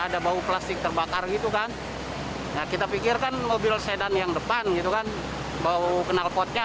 ada bau plastik terbakar gitu kan kita pikirkan mobil sedan yang depan gitu kan bau kenal potnya